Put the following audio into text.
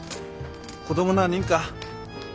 子供何人か？